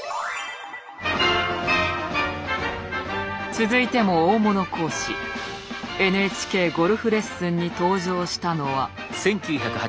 続いても大物講師「ＮＨＫゴルフレッスン」に登場したのは。